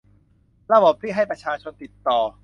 ระบบที่ให้ประชาชนติดต่อ